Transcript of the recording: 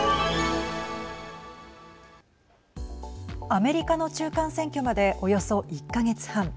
アメリカの中間選挙までおよそ１か月半。